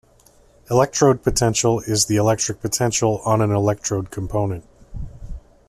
Electrode potential is the electric potential on an electrode component.